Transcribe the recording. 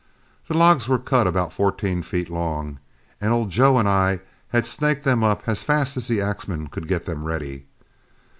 The logs were cut about fourteen feet long, and old Joe and I had snaked them up as fast as the axemen could get them ready.